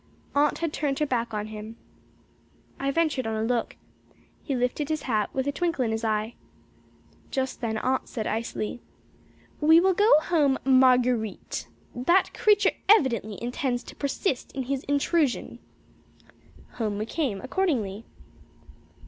Aunt had turned her back on him. I ventured on a look. He lifted his hat with a twinkle in his eye. Just then Aunt said, icily: "We will go home, Marguer_ite_. That creature evidently intends to persist in his intrusion." Home we came accordingly.